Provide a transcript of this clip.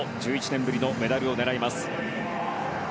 １１年ぶりのメダルを狙います。